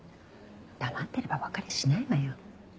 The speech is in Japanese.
黙ってればわかりゃしないわよ。